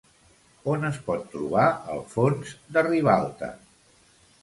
On es pot trobar el fons de Ribalta?